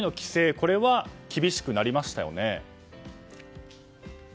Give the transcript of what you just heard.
これは厳しくなりましたよね。